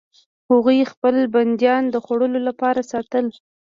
هغوی خپل بندیان د خوړلو لپاره ساتل.